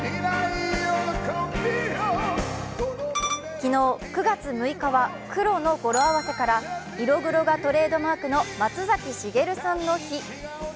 昨日、９月６日はクロの語呂合わせから色黒がトレードマークの松崎しげるさんの日。